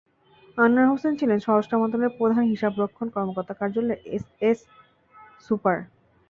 আনোয়ার হোসেন ছিলেন স্বরাষ্ট্র মন্ত্রণালয়ের প্রধান হিসাবরক্ষণ কর্মকর্তার কার্যালয়ের এসএএস সুপার।